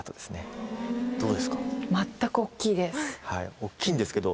大っきいんですけど。